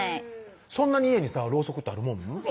そんなに家にさろうそくってあるもん？